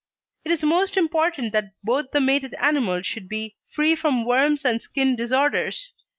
It is most important that both the mated animals should be free from worms and skin disorders.